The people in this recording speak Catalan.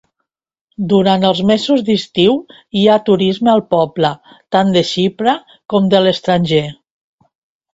Durant els mesos d'estiu hi ha turisme al poble, tant de Xipre com de l'estranger.